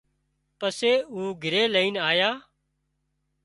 پسي اُو گھرِي لئينَ آيان